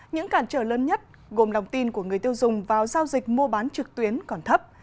những cản trở lớn nhất gồm lòng tin của người tiêu dùng vào giao dịch mua bán trực tuyến còn thấp